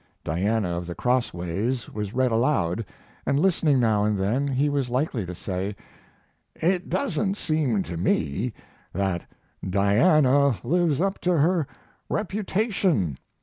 Diana of the Crossways was read aloud, and, listening now and then, he was likely to say: "It doesn't seem to me that Diana lives up to her reputation.